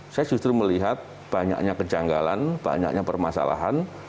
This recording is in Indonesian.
saya justru melihat banyaknya kejanggalan banyaknya permasalahan